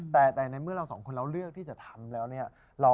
แต่ในเมื่อเราสองคนเราเลือกที่จะทำแล้วเนี่ย